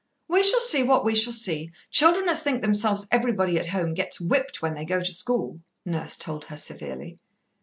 "We shall see what we shall see. Children as think themselves everybody at home, gets whipped when they go to school," Nurse told her severely.